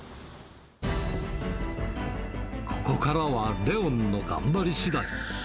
ここからはレオンの頑張りしだい。